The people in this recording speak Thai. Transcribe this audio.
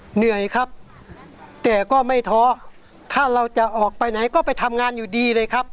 เหนื่อยครับแต่ก็ไม่ท้อถ้าเราจะออกไปไหนก็ไปทำงานอยู่ดีเลยครับ